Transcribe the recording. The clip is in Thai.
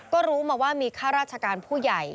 ก็รู้มาว่ามีข้าราชการผู้ใหญ่